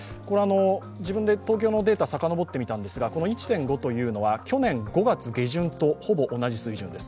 自分で東京のデータさかのぼってみたんですがこの１．５というのは去年５月下旬とほぼ同じ水準です。